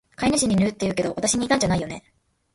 飼い主に似るって言うけど、わたしに似たんじゃないよね？